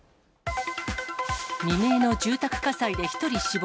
未明の住宅火災で１人死亡。